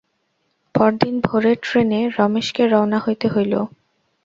পরদিন ভোরের ট্রেনে রমেশকে রওনা হইতে হইল।